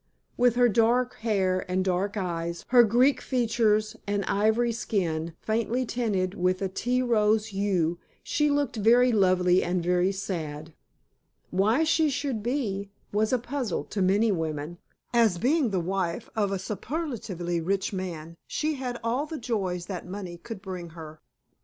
With her dark hair and dark eyes, her Greek features and ivory skin faintly tinted with a tea rose hue, she looked very lovely and very sad. Why she should be, was a puzzle to many women, as being the wife of a superlatively rich man, she had all the joys that money could bring her.